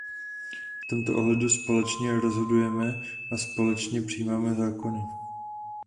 V tomto ohledu společně rozhodujeme a společně přijímáme zákony.